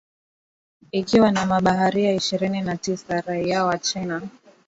ikiwa na mabaharia ishirini na tisa raia wa china